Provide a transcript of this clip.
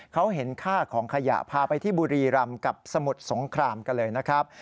เขาเห็นค่าของขยะพาไปที่บุรีรำกับสมุทรสงครามกันเลยนะครับ